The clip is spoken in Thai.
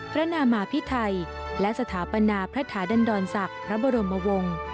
นามาพิไทยและสถาปนาพระถาดันดรศักดิ์พระบรมวงศ์